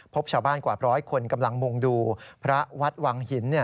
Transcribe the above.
พบชาวบ้านกว่าร้อยคนกำลังมุ่งดูพระวัดวังหิน